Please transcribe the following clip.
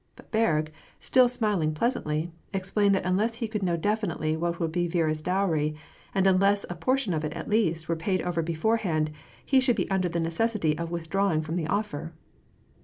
But Berg, still smiling pleasantly, explained that unless he could know definitely what would be Viera's dowry, and unless a portion of it, at least, were pwd over beforehand, he should be under the necessity of withdiaw ing from the offer.